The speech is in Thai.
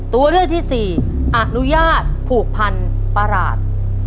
ตัวเลือกที่สี่อนุญาตผูกพันประหลาด